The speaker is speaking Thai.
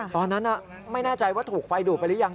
ตอนนั้นไม่แน่ใจว่าถูกไฟดูดไปหรือยัง